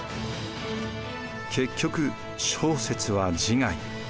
結局正雪は自害。